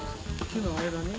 木の間に？